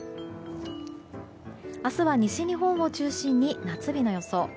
明日は西日本を中心に夏日の予想。